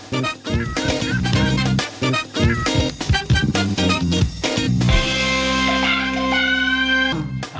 อืม